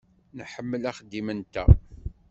Nḥemmel axeddim-nteɣ.